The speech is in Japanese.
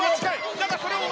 だがそれを。